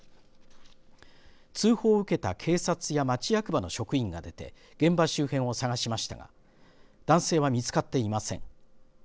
通報を受けた警察や町役場の職員が出て現場周辺を探しましたが男性は見つかっていません。